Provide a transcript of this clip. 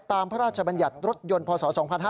พระราชบัญญัติรถยนต์พศ๒๕๕๙